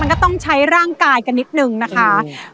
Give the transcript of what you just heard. ก็ต้องใช้ร่างกายกันนิดนึงนะคะ